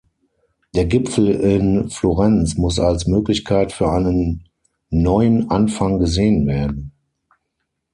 Der Gipfel in Florenz muss als Möglichkeit für einen neuen Anfang gesehen werden.